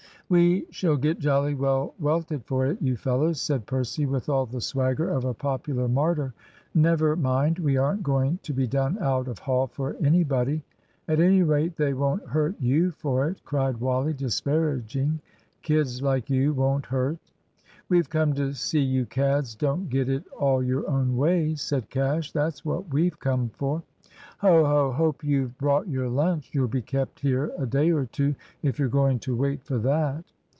"We shall get jolly well welted for it, you fellows," said Percy, with all the swagger of a popular martyr. "Never mind; we aren't going to be done out of Hall for anybody." "At any rate, they won't hurt you for it," cried Wally, disparaging. "Kids like you won't hurt." "We've come to see you cads don't get it all your own way," said Cash. "That's what we've come for!" "Ho, ho! Hope you've brought your lunch. You'll be kept here a day or two, if you're going to wait for that!"